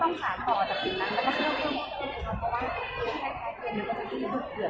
เวลาแรกพี่เห็นแวว